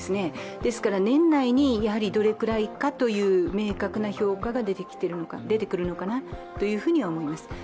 ですから年内にどれくらいかという明確な評価が出てくるかなと思っています。